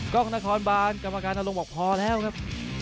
กล้องนครบานกรรมการนรงค์บอกพอแล้วครับ